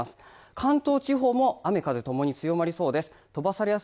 関東地方も雨風ともに強まりそうです